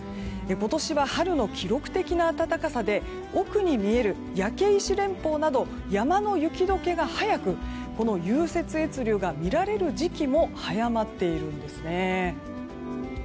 今年は春の記録的な暖かさで奥に見える焼石連邦など山の雪解けが早くこの融雪越流が見られる時期も早まっているんですね。